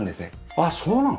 あっそうなの？